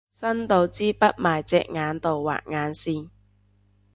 伸到支筆埋隻眼度畫眼線